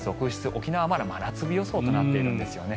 沖縄はまだ真夏日予想となっているんですね。